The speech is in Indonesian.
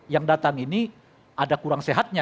yang datang ini ada kurang sehatnya